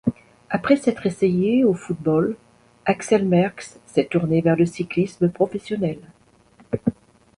Après s'être essayé au football, Axel Merckx s'est tourné vers le cyclisme professionnel.